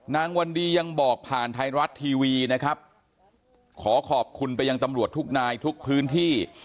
วันดียังบอกผ่านไทยรัฐทีวีนะครับขอขอบคุณไปยังตำรวจทุกนายทุกพื้นที่